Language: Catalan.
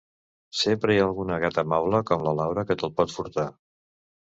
Sempre hi ha alguna gata maula com la Laura que te’l pot furtar.